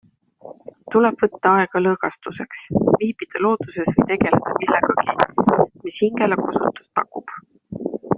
Tuleb võtta aega lõõgastuseks - viibida looduses või tegeleda millegagi, mis hingele kosutust pakub.